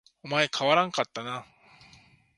お前変わらんかったな